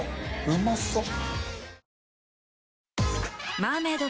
うまそう！